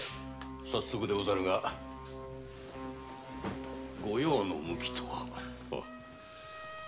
早速でござるがご用の向きとは？